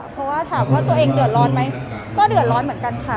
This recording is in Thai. เพราะว่าถามว่าตัวเองเดือดร้อนไหมก็เดือดร้อนเหมือนกันค่ะ